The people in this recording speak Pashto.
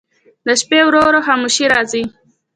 د شپې ورو ورو خاموشي راځي.